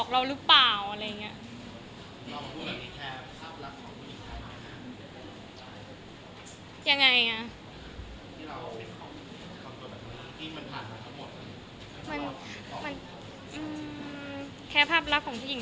เราเป็นเครื่องสบายประโยชน์